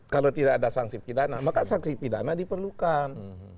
kalau tidak ada sanksi pidana maka sanksi pidana diperlukan